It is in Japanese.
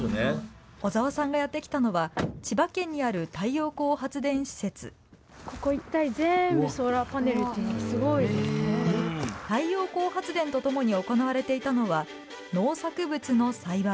小澤さんがやって来たのは千葉県にある太陽光発電施設太陽光発電とともに行われていたのは農作物の栽培。